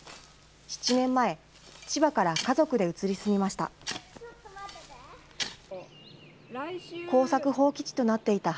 ７年前、千葉から家族で移り住みました。